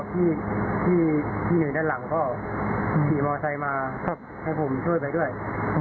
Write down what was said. ที่หนึ่งด้านหลังก็ขี่มอไซค์มาให้ผมช่วยไปด้วย